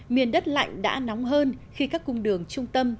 miền đất lạnh đã nóng hơn khi các cung đường trung tâm